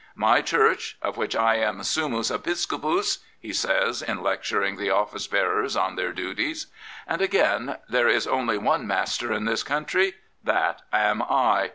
My Church, of which I am summus episcopus" he says, in lectur ing the office bearers on their duties. And again. There is only one master in this country. That am I.